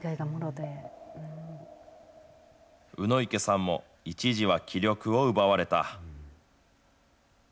鵜池さんも、一時は気力を奪われた。